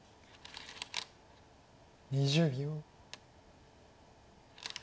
２０秒。